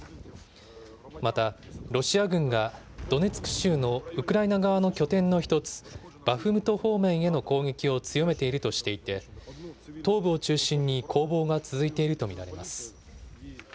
また、ロシア軍がドネツク州のウクライナ側の拠点の一つ、バフムト方面への攻撃を強めているとしていて、東部を中心に攻防が続いていると見られます。